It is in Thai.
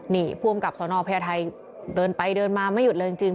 นี่ผู้อำกับสนพญาไทยเดินไปเดินมาไม่หยุดเลยจริง